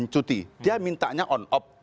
cuti dia mintanya on off